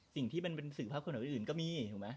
สิ่งที่เป็นสื่อภาพคนอื่นก็มี